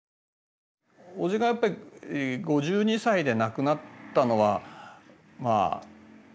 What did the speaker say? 叔父がやっぱり５２歳で亡くなったのはまあ